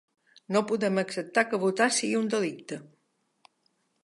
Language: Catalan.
No podem acceptar que votar sigui un delicte.